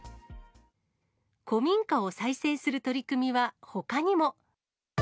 古民家を再生する取り組みはほかにも。